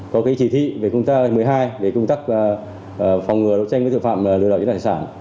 có cái chỉ thị về công tác một mươi hai công tác phòng ngừa đấu tranh với thực phạm lừa đảo chiếm đoạt tài sản